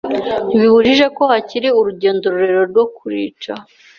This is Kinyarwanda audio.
ntibibujije ko hakiri urugendo rurerure rwo kurica.